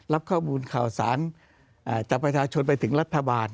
รับข้อมูลข่าวสารจากประชาชนไปถึงรัฐบาล